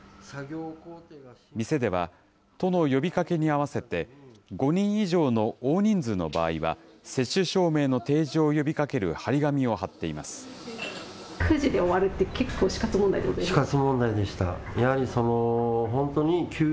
店では、都の呼びかけに合わせて、５人以上の大人数の場合は、接種証明の提示を呼びかける貼り紙を貼っています。